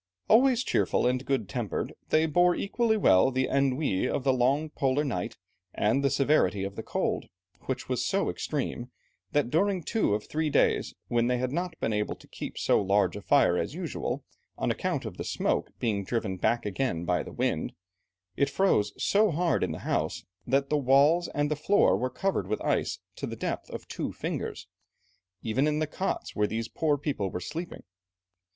Always cheerful and good tempered, they bore equally well the ennui of the long polar night, and the severity of the cold, which was so extreme, that during two of three days, when they had not been able to keep so large a fire as usual, on account of the smoke being driven back again by the wind, it froze so hard in the house, that the walls and the floor were covered with ice to the depth of two fingers, even in the cots where these poor people were sleeping.